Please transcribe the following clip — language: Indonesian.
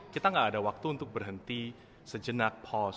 kita gak ada waktu untuk berhenti sejenak host